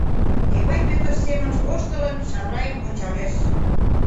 Эвай Пӧтыр, семынже воштылын, Шамрайым ончалеш.